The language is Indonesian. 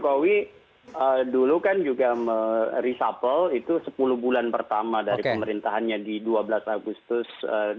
pak jokowi dulu kan juga reshuffle itu sepuluh bulan pertama dari pemerintahannya di dua belas agustus dua ribu dua puluh